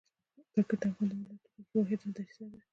کرکټ د افغان ملت د خوښۍ واحده دریڅه ده.